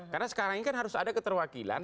karena sekarang ini kan harus ada keterwakilan